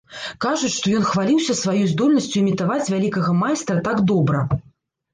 Кажуць, што ён хваліўся сваёй здольнасцю імітаваць вялікага майстра так добра.